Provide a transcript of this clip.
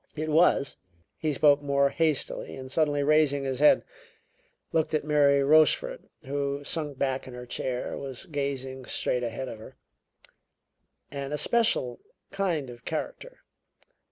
It was" he spoke more hastily and, suddenly raising his head, looked at Mary Rochefort, who, sunk back in her chair, was gazing straight ahead of her "an especial kind of character.